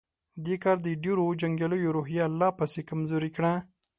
دې کار د ډېرو جنګياليو روحيه لا پسې کمزورې کړه.